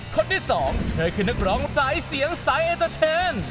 คนที่สองเธอคือนักร้องสายเสียงสายเอ็นเตอร์เทน